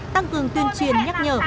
tăng cường tuyên truyền nhắc nhở